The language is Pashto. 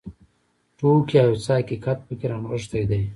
ټوکې او یو څه حقیقت پکې رانغښتی دی.